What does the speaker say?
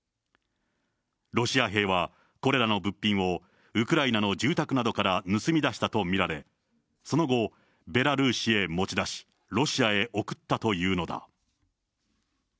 ロシア兵はこれらの物品をウクライナの住宅などから盗み出したと見られ、その後、ベラルーシへ持ち出し、ロシアへ送ったというのだ。